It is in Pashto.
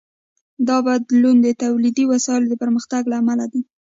دا بدلون د تولیدي وسایلو د پرمختګ له امله دی.